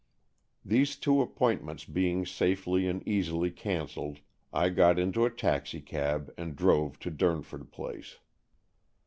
These two appointments being safely and easily cancelled, I got into a taxicab and drove to Durnford Place.